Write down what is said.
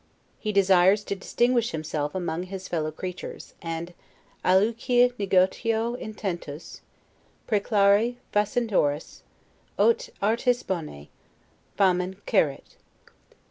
He desires to distinguish himself among his fellow creatures; and, 'alicui negotio intentus, prreclari facinoris, aut artis bonae, faman quaerit'.